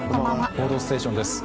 「報道ステーション」です。